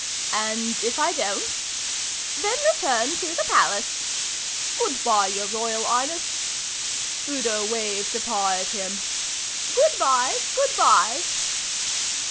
"And if I don't?" "Then return to the Palace." "Good bye, your Royal Highness." Udo waved a paw at him. "Good bye, good bye."